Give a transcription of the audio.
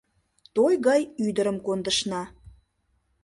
Той гай ӱдырым кондышна.